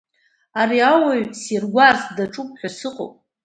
Ари ауаҩ сиргәаарц даҿуп ҳәа сыҟоуп.